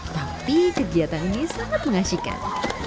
tapi kegiatan ini sangat mengasihkan